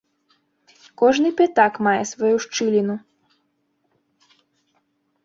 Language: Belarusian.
Кожны пятак мае сваю шчыліну.